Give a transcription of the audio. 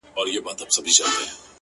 دا ځان کي ورک شې بل وجود ته ساه ورکوي-